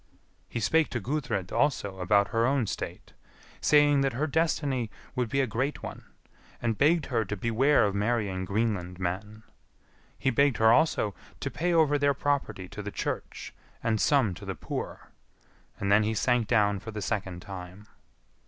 He spake to Gudrid also about her own state, saying that her destiny would be a great one, and begged her to beware of marrying Greenland men. He begged her also to pay over their property to the Church and some to the poor; and then he sank down for the second time.